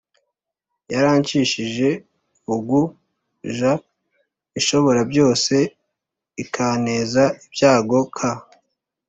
yarancishije bugu j Ishoborabyose ikanteza ibyago k